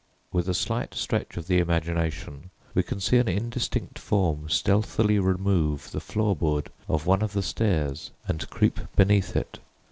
] With a slight stretch of the imagination we can see an indistinct form stealthily remove the floorboard of one of the stairs and creep beneath it.